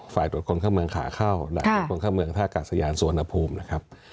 ฝ่ายตรวจคนเข้าเมืองข่าเข้าไหล่คนเข้าเมืองท่ากัสยานสวนภูมินะครับ